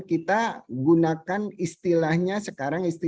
kita gunakan istilahnya sekarang